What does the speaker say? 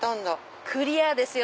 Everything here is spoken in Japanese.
クリアですよ